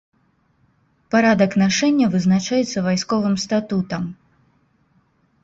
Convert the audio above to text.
Парадак нашэння вызначаецца вайсковым статутам.